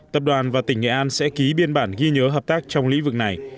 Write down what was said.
tập đoàn và tỉnh nghệ an sẽ ký biên bản ghi nhớ hợp tác trong lĩnh vực này